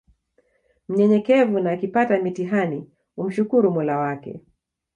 mnyenyekevu na akipata mitihani umshukuru mola wake